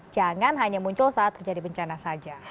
jangan hanya muncul saat terjadi bencana saja